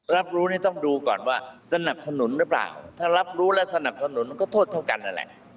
รับรู้นี่ต้องดูก่อนว่าสนับสนุนหรือเปล่าถ้ารับรู้และสนับสนุนมันก็โทษเท่ากันนั่นแหละ